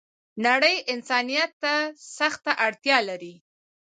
نړۍ انسانيت ته سخته اړتیا لری